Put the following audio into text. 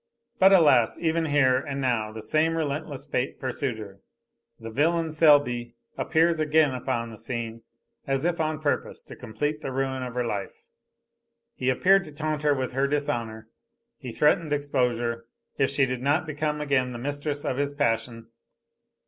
But, alas, even here and now, the same relentless fate pursued her. The villain Selby appears again upon the scene, as if on purpose to complete the ruin of her life. He appeared to taunt her with her dishonor, he threatened exposure if she did not become again the mistress of his passion.